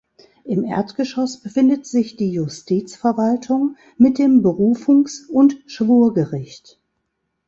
Im Erdgeschoss befindet sich die Justizverwaltung mit dem Berufungs- und Schwurgericht.